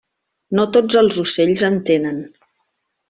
No tots els ocells en tenen.